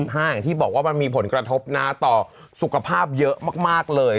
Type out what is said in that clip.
อย่างที่บอกว่ามันมีผลกระทบนะต่อสุขภาพเยอะมากเลย